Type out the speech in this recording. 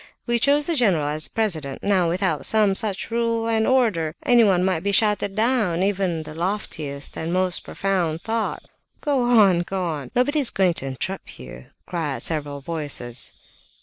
We chose the general as president. Now without some such rule and order, anyone might be shouted down, even in the loftiest and most profound thought...." "Go on! Go on! Nobody is going to interrupt you!" cried several voices.